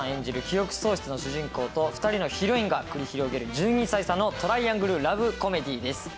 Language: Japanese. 記憶喪失の主人公と２人のヒロインが繰り広げる１２歳差のトライアングル・ラブコメディーです。